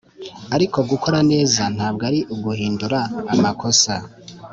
ariko gukora neza ntabwo ari uguhindura amakosa